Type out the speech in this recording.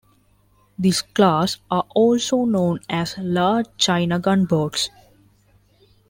This class are also known as "Large China Gunboats".